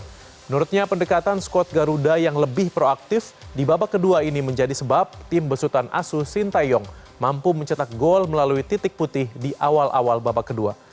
menurutnya pendekatan skuad garuda yang lebih proaktif di babak kedua ini menjadi sebab tim besutan asuh sintayong mampu mencetak gol melalui titik putih di awal awal babak kedua